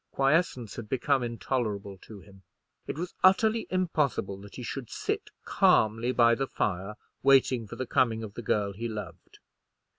Quiescence had become intolerable to him. It was utterly impossible that he should sit calmly by the fire, waiting for the coming of the girl he loved.